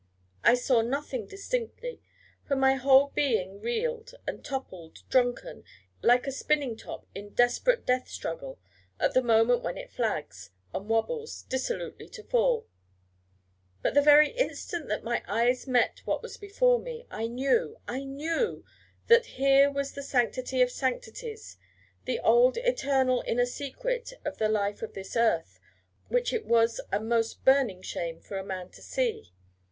I saw nothing distinctly, for my whole being reeled and toppled drunken, like a spinning top in desperate death struggle at the moment when it flags, and wobbles dissolutely to fall; but the very instant that my eyes met what was before me, I knew, I knew, that here was the Sanctity of Sanctities, the old eternal inner secret of the Life of this Earth, which it was a most burning shame for a man to see.